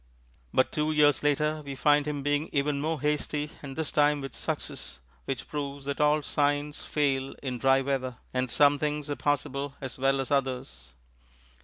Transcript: But two years later we find him being even more hasty and this time with success, which proves that all signs fail in dry weather, and some things are possible as well as others.